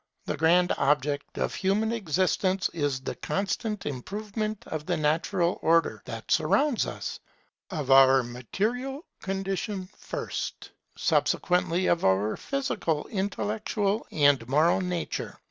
The grand object of human existence is the constant improvement of the natural Order that surrounds us: of our material condition first; subsequently of our physical, intellectual, and moral nature.